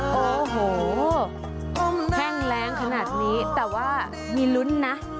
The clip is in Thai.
โอ้โหแห้งแรงขนาดนี้แต่ว่ามีลุ้นนะ